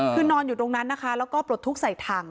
คือนอนอยู่ตรงนั้นนะคะแล้วก็ปลดทุกข์ใส่ถัง